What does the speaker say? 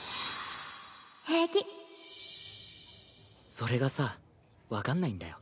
平気それがさ分かんないんだよ。